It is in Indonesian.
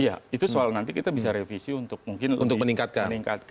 iya itu soal nanti kita bisa revisi untuk mungkin untuk meningkatkan